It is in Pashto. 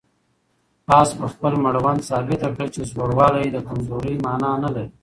آس په خپل مړوند ثابته کړه چې زوړوالی د کمزورۍ مانا نه لري.